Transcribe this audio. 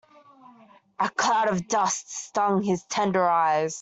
A cloud of dust stung his tender eyes.